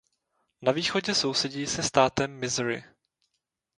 Na východě sousedí se státem Missouri.